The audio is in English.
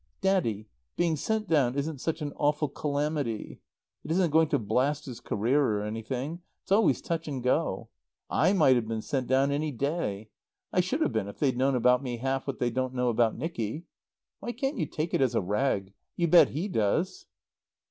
"Daddy being sent down isn't such an awful calamity. It isn't going to blast his career or anything. It's always touch and go. I might have been sent down any day. I should have been if they'd known about me half what they don't know about Nicky. Why can't you take it as a rag? You bet he does."